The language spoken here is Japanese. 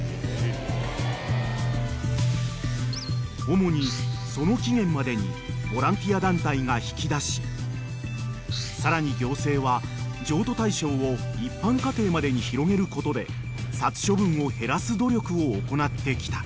［主にその期限までにボランティア団体が引き出しさらに行政は譲渡対象を一般家庭までに広げることで殺処分を減らす努力を行ってきた］